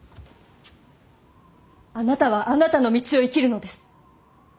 あなたはあなたの道を生きるのです。